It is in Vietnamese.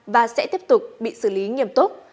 và sẽ tiếp tục bị xử lý nghiêm túc